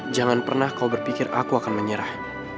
jangan pernah kau berpikir aku akan menyerah